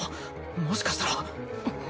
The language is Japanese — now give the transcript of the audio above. もしかしたら。